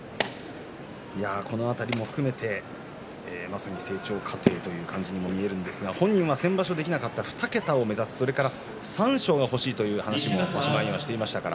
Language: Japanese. この辺りも含めてまさに成長過程という感じにも見えますが本人、先場所できなかった２桁を目指すそして三賞が欲しいという話も場所前にしていました。